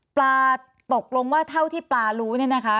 ปลาตกลงว่าเท่าที่ปลารู้เนี่ยนะคะ